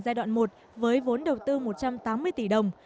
giai đoạn một với vốn đầu tư một trăm tám mươi tỷ đồng